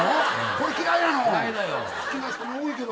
これ嫌いなの⁉好きな人も多いけどなぁ。